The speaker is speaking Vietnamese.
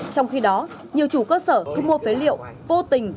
trong khi đó nhiều chủ cơ sở thu mua phế liệu vô tình